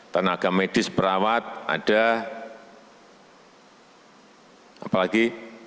tenaga medis perawat ada apa lagi